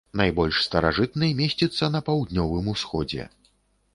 Найбольш старажытны месціцца на паўднёвым усходзе.